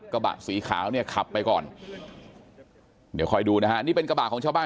กระบะสีขาวเนี่ยขับไปก่อนเดี๋ยวคอยดูนะฮะนี่เป็นกระบะของชาวบ้าน